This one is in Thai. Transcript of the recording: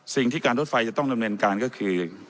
สิ่งที่การรถไฟจะต้องดำเนินการก็คือ